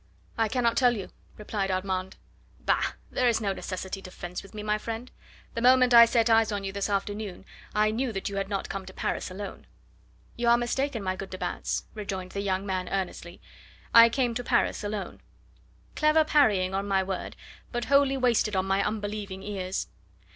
"I cannot tell you," replied Armand. "Bah! there is no necessity to fence with me, my friend. The moment I set eyes on you this afternoon I knew that you had not come to Paris alone." "You are mistaken, my good de Batz," rejoined the young man earnestly; "I came to Paris alone." "Clever parrying, on my word but wholly wasted on my unbelieving ears.